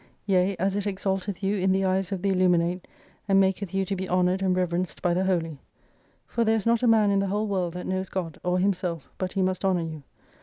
Yea, as it exalteth you in the eyes of the illuminate, and maketh you to be honored and reverenced by the Holy. For there is not a man in the whole world that knows God, or himself, but he must honour you.